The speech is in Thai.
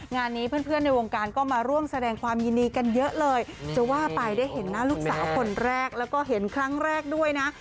งานนี้เพื่อนในวงการก็มาร่วมแสดงความยินดีกันเยอะเลยจะว่าไปได้เห็นหน้าลูกสาวคนแรกแล้วก็เห็นครั้งแรกด้วยนะ